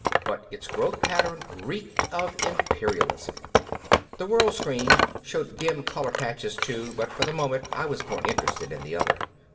But its growth pattern reeked of imperialism. The World screen showed dim color patches too, but for the moment I was more interested in the other.